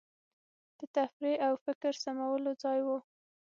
د تفریح او فکر سمولو ځای وو.